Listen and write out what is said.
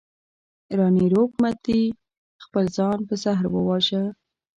راني روپ متي خپل ځان په زهر وواژه.